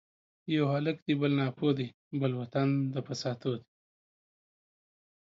یو هلک دی بل ناپوه دی ـ بل وطن د فساتو دی